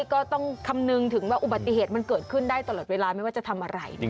ก็ต้องคำนึงถึงว่าอุบัติเหตุมันเกิดขึ้นได้ตลอดเวลาไม่ว่าจะทำอะไร